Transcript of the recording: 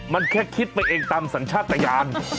มันแค่คิดไปเองตามสัญชาติตะยาน